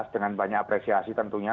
dengan banyak apresiasi tentunya